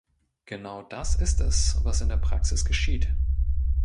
Genau das ist es, was in der Praxis geschieht.